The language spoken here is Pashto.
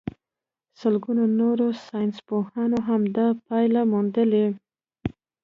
لسګونو نورو ساينسپوهانو هم دا پايله موندلې.